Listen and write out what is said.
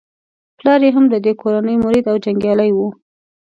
پلار یې هم د دې کورنۍ مرید او جنګیالی وو.